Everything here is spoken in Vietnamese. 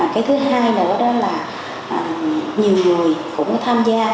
cái thứ hai nữa đó là nhiều người cũng tham gia